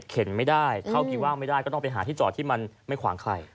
ไม่ได้เข้ากี่ว่างไม่ได้ก็ต้องไปหาที่จอดที่มันไม่ขวางใคร